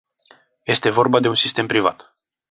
Este vorba de un sistem privat.